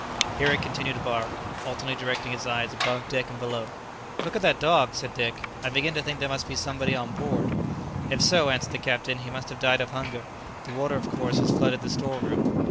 Here it continued to bark, alternately directing its eyes above deck and below. "Look at that dog!" said Dick; "I begin to think there must be somebody on board." "If so," answered the captain, "he must have died of hunger; the water of course has flooded the store room."